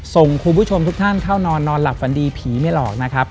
ส่งคุณผู้ชมทุกท่านเข้านอนนอนหลับฝันดีผีไม่หลอกนะครับ